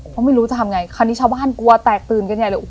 เพราะไม่รู้จะทำไงคราวนี้ชาวบ้านกลัวแตกตื่นกันใหญ่เลย